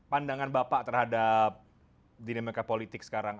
pandangan bapak terhadap dinamika politik sekarang